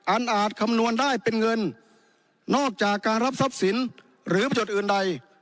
อาจคำนวณได้เป็นเงินนอกจากการรับทรัพย์สินหรือประโยชน์อื่นใด